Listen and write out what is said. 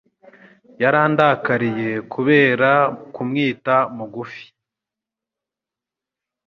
Yarandakariye kubera kumwita Mugufi.